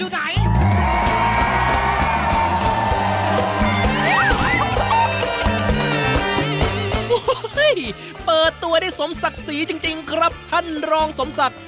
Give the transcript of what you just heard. โอ้โหเปิดตัวได้สมศักดิ์ศรีจริงครับท่านรองสมศักดิ์